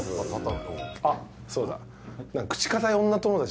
あっそうだ。